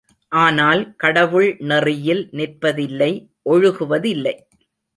ஆனால், கடவுள் நெறியில் நிற்பதில்லை ஒழுகுவதில்லை.